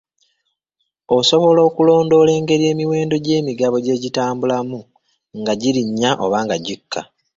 Osobola okulondoola engeri emiwendo gy'emigabo gye gitambulamu nga girinnya oba nga gikka.